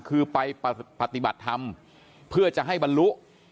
คือไปปฏิบัติธรรมเพื่อจะให้บรรลุ